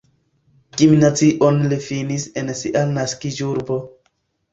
Gimnazion li finis en sia naskiĝurbo.